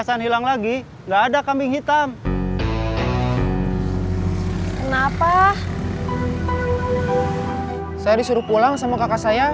saya disuruh pulang sama kakak saya